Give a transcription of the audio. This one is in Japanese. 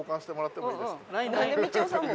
「なんでみちおさんも？」